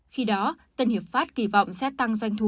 khi đó tân hiệp pháp kỳ vọng sẽ tăng doanh thu